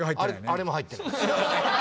あれも入ってないし。